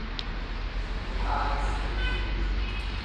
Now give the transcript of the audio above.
nu qaanessa jechuudha."